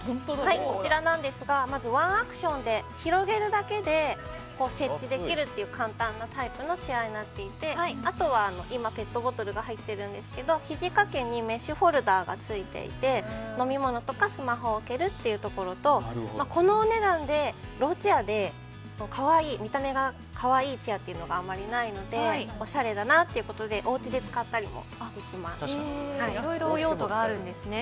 こちらなんですがまずワンアクションで広げるだけで設置できるという簡単なタイプのチェアになっていてあとは今、ペットボトルが入っているんですがひじ掛けにメッシュホルダーがついていて飲み物とかスマホを置けるというところとこのお値段でローチェアで見た目が可愛いチェアっていうのがあまりないのでおしゃれだなということでおうちで使ったりもいろいろ用途があるんですね。